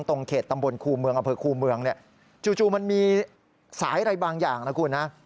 ตรงเขตตำบลครูเมืองครูเมืองจู่มันมีสายอะไรบางอย่างนะครูนะ